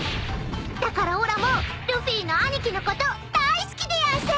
だからおらもルフィの兄貴のこと大好きでやんす］